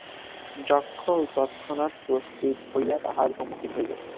যক্ষও তৎক্ষণাৎ প্রস্তুত হইয়া তাঁহার সম্মুখীন হইল।